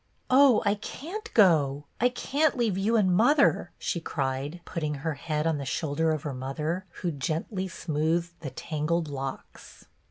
" Oh, I can't go. I can't leave you and mother," she cried, putting her head on the shoulder of her mother, who gently smoothed the tangled locks.